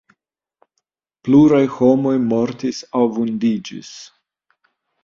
Pluraj homoj mortis aŭ vundiĝis.